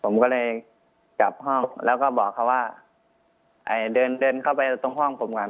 ผมก็เลยจับห้องแล้วก็บอกเขาว่าเดินเดินเข้าไปตรงห้องผมก่อน